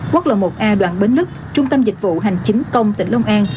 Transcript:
quốc lộ một a đoạn bến lức trung tâm dịch vụ hành chính công tỉnh long an